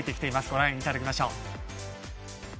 ご覧いただきましょう。